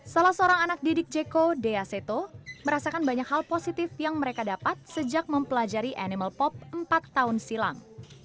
salah seorang anak didik jeko dea seto merasakan banyak hal positif yang mereka dapat sejak mempelajari animal pop empat tahun silam